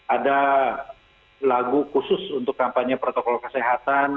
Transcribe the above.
ada lagu khusus untuk kampanye protokol kesehatan